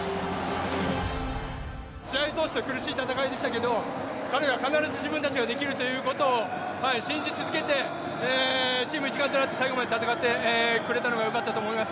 試合を通して苦しい戦いでしたけど、彼らは必ず自分たちができるということを信じ続けて、チーム一丸となって最後まで戦ってくれたのがよかったと思います。